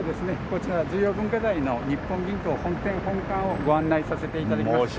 こちら重要文化財の日本銀行本店本館をご案内させて頂きます。